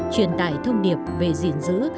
truyền tải thông điệp về diện dữ